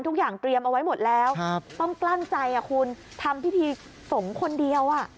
ทุกอย่างเตรียมเอาไว้หมดแล้วต้องกลั้นใจคุณทำพิธีสงฆ์คนเดียว